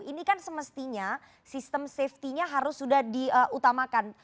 ini kan semestinya sistem safety nya harus sudah diutamakan